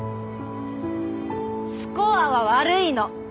・スコアは悪いの。